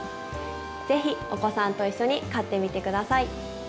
是非お子さんと一緒に飼ってみて下さい。